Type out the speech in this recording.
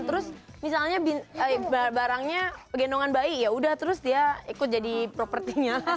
terus misalnya barangnya gendongan bayi ya udah terus dia ikut jadi propertinya